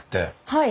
はい。